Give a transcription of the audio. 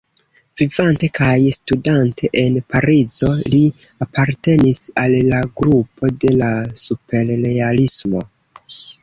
Vivante kaj studante en Parizo li apartenis al la grupo de la Superrealismo.